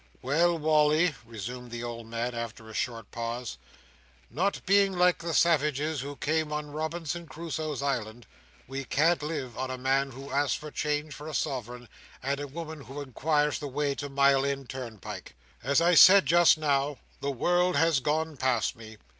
"Well, Wally," resumed the old man, after a short pause: "not being like the Savages who came on Robinson Crusoe's Island, we can't live on a man who asks for change for a sovereign, and a woman who inquires the way to Mile End Turnpike. As I said just now, the world has gone past me.